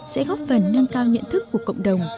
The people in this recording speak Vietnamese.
sẽ góp phần nâng cao nhận thức của cộng đồng